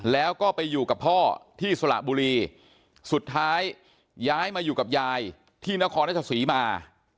แล้วก็ไปอยู่กับพ่อที่สระบุรีสุดท้ายย้ายมาอยู่กับยายที่นครราชศรีมา